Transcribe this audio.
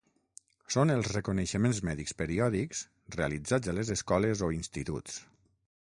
Són els reconeixements mèdics periòdics realitzats a les escoles o instituts.